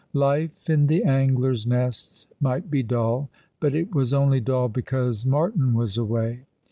Life in the j^ngler's Nest might be dull ; but it was only dull because Martin was away.